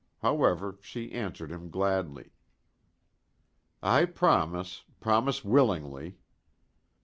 However, she answered him gladly. "I promise promise willingly."